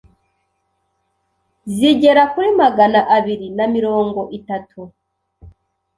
zigera kuri Magana abiri na mirongo itatu